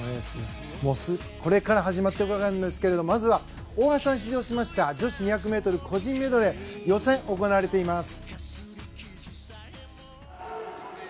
これから始まっていくわけですが大橋さんが出場した女子２００ｍ個人メドレー予選が行われています。